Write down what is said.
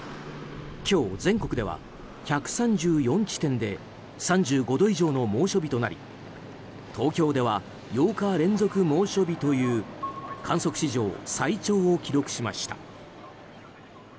今日、全国では１３４地点で３５度以上の猛暑日となり東京では８日連続猛暑日という観測史上最長を記録しました。